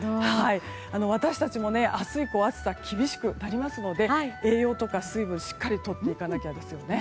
私たちも明日以降暑さ厳しくなりますので栄養とか水分をしっかりとっていかなきゃですね。